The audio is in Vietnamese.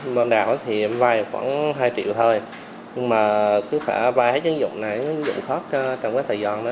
bọn đạo thì vay khoảng hai triệu thôi nhưng mà cứ phải vay hết những dụng này những dụng khóa trong cái thời gian đó